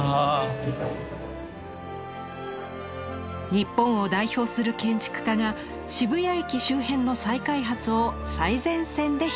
日本を代表する建築家が渋谷駅周辺の再開発を最前線で率いる。